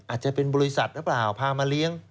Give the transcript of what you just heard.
อาจจะเป็นบริษัทหรือเปล่าพามาเลี้ยง